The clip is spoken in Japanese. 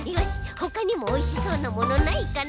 ほかにもおいしそうなものないかな？